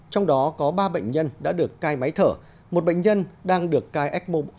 trong đó có ba bệnh nhân đã được cai máy thở một bệnh nhân đang được cai ecmo